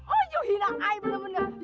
oh you hina ayu bener bener